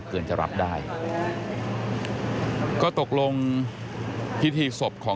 พบหน้าลูกแบบเป็นร่างไร้วิญญาณ